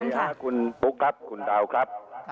นี่ค่ะคุณปุ๊กครับคุณดาวครับ